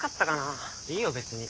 いいよ別に。